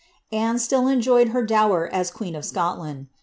Anne still enjoyed her dower u 1 of Scotland.